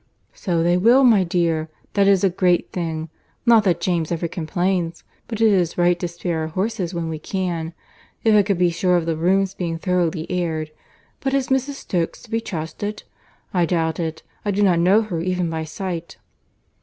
"So they will, my dear. That is a great thing. Not that James ever complains; but it is right to spare our horses when we can. If I could be sure of the rooms being thoroughly aired—but is Mrs. Stokes to be trusted? I doubt it. I do not know her, even by sight."